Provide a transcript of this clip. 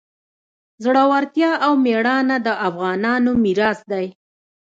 زړورتیا او میړانه د افغانانو میراث دی.